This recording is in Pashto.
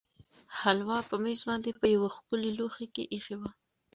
هلوا په مېز باندې په یوه ښکلي لوښي کې ایښې وه.